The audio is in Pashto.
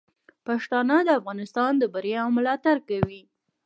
پښتانه د افغانستان د بریا ملاتړ کوي.